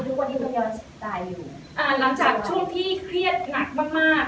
ทุกคนที่ต้องยอดตายอยู่อ่าหลังจากช่วงที่เครียดหนักมากมาก